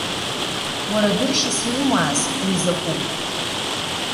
Уара дыршьас иумааз уи закәу?